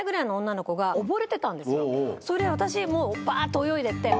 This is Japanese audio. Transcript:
それで私もうバっと泳いでって。